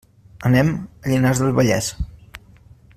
Anem a Llinars del Vallès.